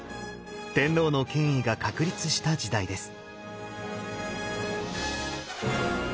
天皇の権威が確立した時代です。